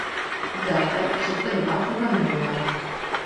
Zdá se, že se do vás zamilovali.